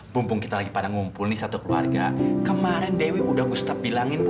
bumpung kita lagi pada ngumpul nih satu keluarga kemarin dewi udah gustaf bilangin bu